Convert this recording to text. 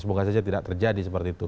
semoga saja tidak terjadi seperti itu